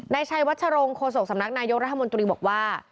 ในชัยวชรงโครโศกสำนักนายโยครัฐมนตรีบอกว่า